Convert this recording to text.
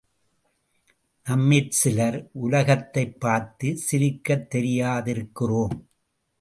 நம்மிற் சிலர் உலகத்தைப் பார்த்துச் சிரிக்கத் தெரியாதிருக்கிறோம்.